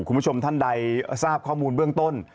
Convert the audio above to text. คุณผู้ชมท่านใดทราบข้อมูลเบื้องต้น